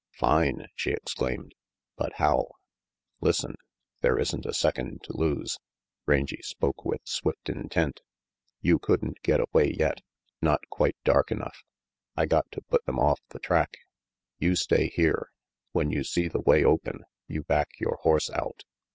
"Fine!" she exclaimed. "But how?" "Listen. There isn't a second to lose." Rangy spoke with swift intent. "You couldn't get away yet not quite dark enough. I got to put them off the track. You stay here. When you see the way open, you back your horse out.